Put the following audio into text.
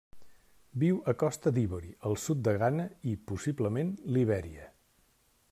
Viu a Costa d'Ivori, el sud de Ghana i, possiblement, Libèria.